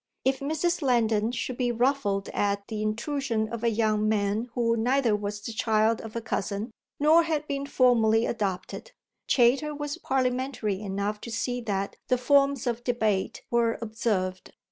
If Mrs. Lendon should be ruffled at the intrusion of a young man who neither was the child of a cousin nor had been formally adopted, Chayter was parliamentary enough to see that the forms of debate were observed.